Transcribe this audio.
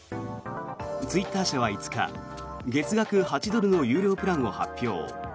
ツイッター者は５日月額８ドルの有料プランを発表。